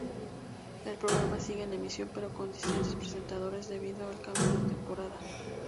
El programa sigue en emisión pero con distintos presentadores debido al cambio de temporada.